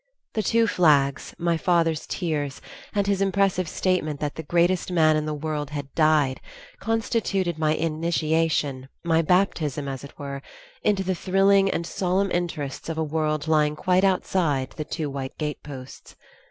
The two flags, my father's tears, and his impressive statement that the greatest man in the world had died, constituted my initiation, my baptism, as it were, into the thrilling and solemn interests of a world lying quite outside the two white gateposts.